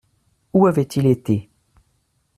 Où avait-il été ?